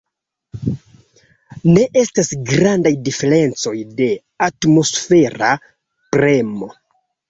Ne estas grandaj diferencoj de atmosfera premo.